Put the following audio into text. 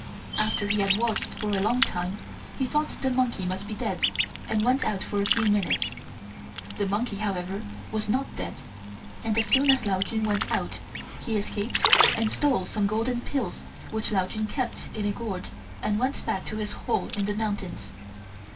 After he had watched for a long time he thought the monkey must be dead and went out for a few minutes. The monkey, however, was not dead and as soon as Lao Chun went out, he escaped and stole some golden pills which Lao Chun kept in a gourd and went back to his hole in the mountains.